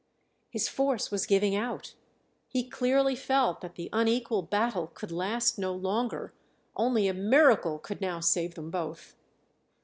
His force was giving out, he clearly felt that the unequal battle could last no longer; only a miracle could now save them both.